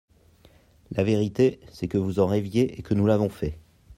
La vérité, c’est que vous en rêviez et que nous l’avons fait